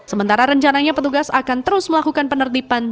sementara rencananya petugas akan terus melakukan penertiban